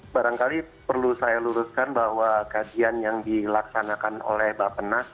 barangkali perlu saya luruskan bahwa kajian yang dilaksanakan oleh bapak nas